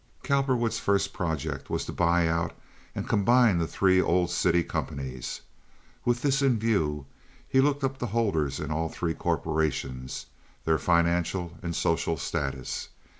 Cowperwood's first project was to buy out and combine the three old city companies. With this in view he looked up the holders in all three corporations—their financial and social status.